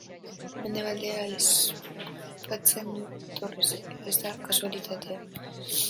Mendebaldea aipatzen du Torresek, eta ez da kasualitatea.